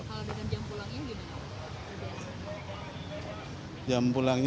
apa hal dengan jam pulang ini